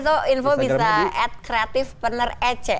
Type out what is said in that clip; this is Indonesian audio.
kalau mau info bisa add kreatif perner ec